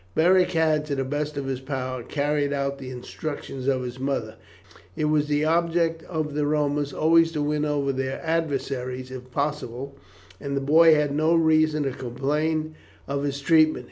Beric had, to the best of his power, carried out the instructions of his mother. It was the object of the Romans always to win over their adversaries if possible, and the boy had no reason to complain of his treatment.